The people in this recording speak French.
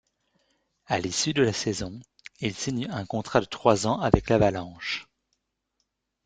À l'issue de la saison, il signe un contrat de trois ans avec l'Avalanche.